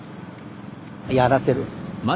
やらせる。